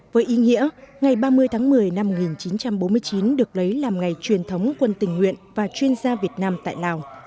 với ý nghĩa ngày ba mươi tháng một mươi năm một nghìn chín trăm bốn mươi chín được lấy làm ngày truyền thống quân tình nguyện và chuyên gia việt nam tại lào